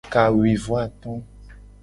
Kawuivoato.